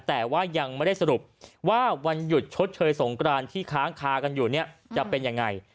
แต่ว่ายังไม่ได้สรุปว่าวันหยุดชดเชยสงกรานที่ค้างคากันอยู่เนี่ยจะเป็นยังไง